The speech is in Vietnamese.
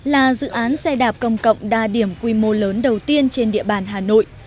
là dự án xe đạp công cộng đa điểm quy mô lớn đầu tiên trên địa bàn hà nội